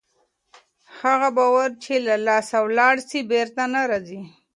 هغه باور چې له لاسه ولاړ سي بېرته نه راځي.